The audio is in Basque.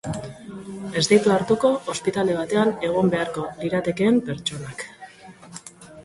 Ez ditu hartuko ospitale batean egon beharko liratekeen pertsonak.